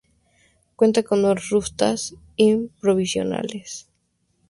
Cuenta con dos rutas interprovinciales.